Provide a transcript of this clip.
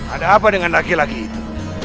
ada apa dengan laki laki itu